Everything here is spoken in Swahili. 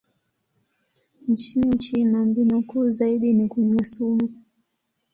Nchini Uchina, mbinu kuu zaidi ni kunywa sumu.